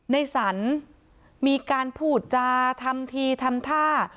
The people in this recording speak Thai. ในสรรมีการพูดจาทำทีทำท่า